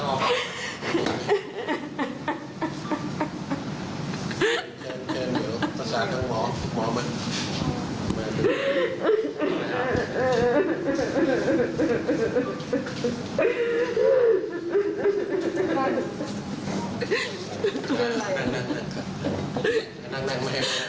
นั่งนั่งนั่งนั่ง